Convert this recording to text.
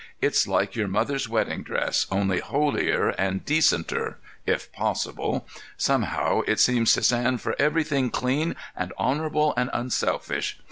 It's like your mother's wedding dress, only holier, and decenter, if possible. Somehow, it seems to stand for everything clean and honorable and unselfish.